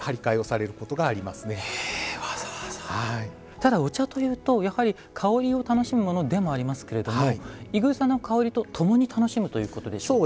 ただお茶というとやはり香りを楽しむものでもありますけれどもい草の香りと共に楽しむということでしょうか。